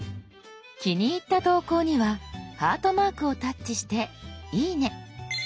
気に入った投稿にはハートマークをタッチして「いいね」。